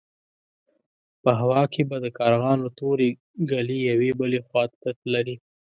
په هوا کې به د کارغانو تورې ګلې يوې بلې خوا ته تللې.